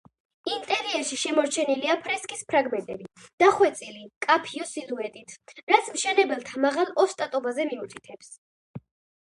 ინტერიერში შემორჩენილია ფრესკის ფრაგმენტები, დახვეწილი, მკაფიო სილუეტით, რაც მშენებელთა მაღალ ოსტატობაზე მიუთითებს.